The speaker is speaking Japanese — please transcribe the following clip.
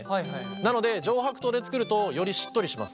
なので上白糖で作るとよりしっとりします。